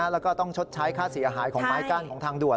แล้วก็ต้องชดใช้ค่าเสียหายของไม้กั้นของทางด่วน